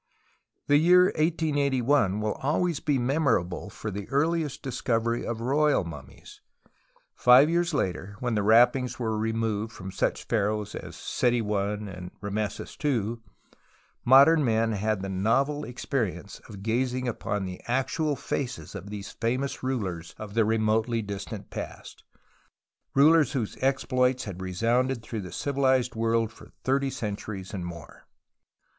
The year 1881 will always be memorable for the earliest discovery of Royal mummies. Five years later, when the wrappings were removed from such pharaohs as Seti I and Rameses II, modern men had the novel experience of gazing upon the actual faces of these famous rulers of the remotely distant past, whose exploits had resounded through the civilized world for thirty centuries and more.